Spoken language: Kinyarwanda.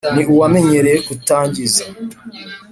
ni uwamenyereye kutangiza